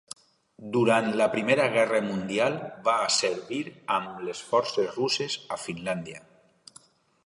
Durant la Primera Guerra Mundial va servir amb les forces russes a Finlàndia.